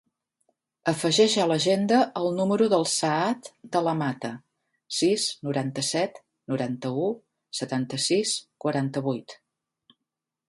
Afegeix a l'agenda el número del Saad De La Mata: sis, noranta-set, noranta-u, setanta-sis, quaranta-vuit.